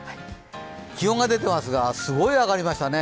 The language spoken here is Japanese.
気温が出ていますがすごい上がりましたね。